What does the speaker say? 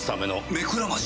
目くらまし？